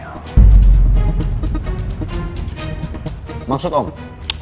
yang bisa menjadi pesaing mel